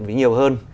với nhiều hơn